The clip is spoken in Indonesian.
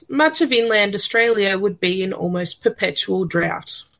jika itu banyak di australia tenggara akan berada di kondisi kondisi kekeringan